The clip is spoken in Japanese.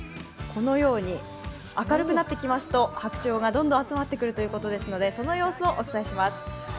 明るくなってきますと白鳥がどんどん集まってくるということなのでその様子をお伝えします。